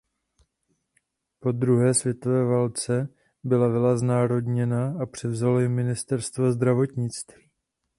Po druhé světové válce byla vila znárodněna a převzalo ji ministerstvo zdravotnictví.